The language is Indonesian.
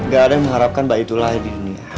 gak ada yang mengharapkan bayi itu lahir di dunia